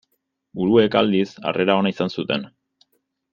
Buruek, aldiz, harrera ona izan zuten.